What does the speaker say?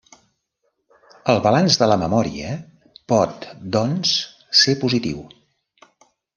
El balanç de la memòria pot doncs ser positiu.